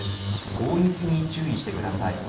大雪に注意してください。